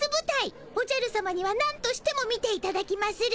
おじゃるさまにはなんとしても見ていただきまする。